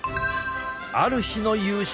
ある日の夕食。